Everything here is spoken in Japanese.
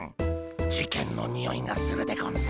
事件のにおいがするでゴンス。